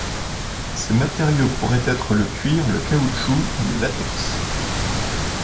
Ces matériaux pourraient être le cuir, le caoutchouc ou le latex.